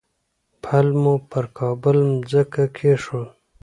پل مو پر کابل مځکه کېښود.